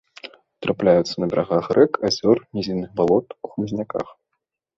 Трапляюцца на берагах рэк, азёр, нізінных балот, у хмызняках.